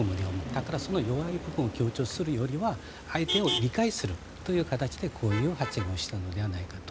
だから、その弱い部分を強調するよりは相手を理解する形でこういう発言をしたのではないかと。